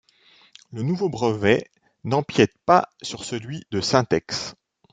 Le nouveau brevet n'empiéte pas sur celui de Syntex.